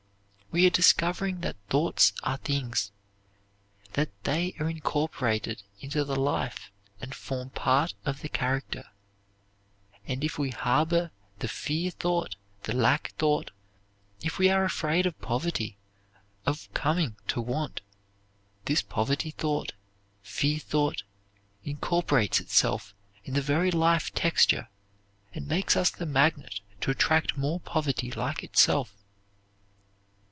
We are discovering that thoughts are things, that they are incorporated into the life and form part of the character, and if we harbor the fear thought, the lack thought, if we are afraid of poverty, of coming to want, this poverty thought, fear thought incorporates itself in the very life texture and makes us the magnet to attract more poverty like itself.